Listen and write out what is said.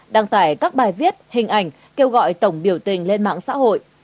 đăng tải các bài viết hình ảnh kêu gọi tổng biểu tình lên mạng xã hội